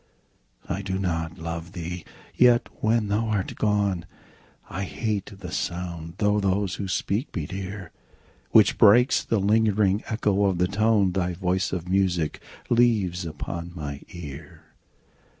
I do not love thee!—yet, when thou art gone, I hate the sound (though those who speak be dear) 10 Which breaks the lingering echo of the tone Thy voice of music leaves upon my ear.